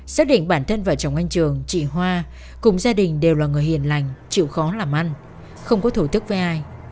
xác định bản thân vợ chồng anh trường chị hoa cùng gia đình đều là người hiền lành chịu khó làm ăn không có thổ tức với ai